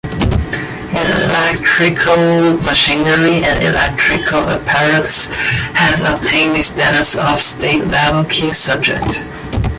Electrical Machinery and Electrical Apparatus has obtained the status of state-level key subject.